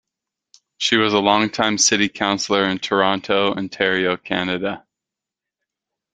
She was a longtime city councillor in Toronto, Ontario, Canada.